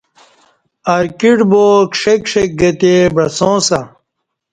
ارکیٹ با کݜیک کݜیک گہ تے بعساں سہ